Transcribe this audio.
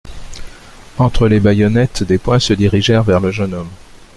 Entre les baïonnettes, des poings se dirigèrent vers le jeune homme.